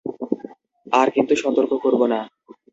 আর কিন্তু সতর্ক করবো না।